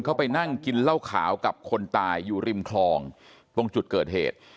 เขาไปนั่งกินเหล้าขาวกับคนตายอยู่ริมคลองตรงจุดเกิดเหตุ